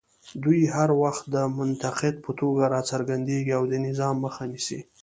دوی هر وخت د منتقد په توګه راڅرګندېږي او د نظام مخه نیسي